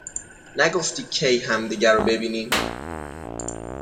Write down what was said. نگفتی کی همدیگر رو ببینیم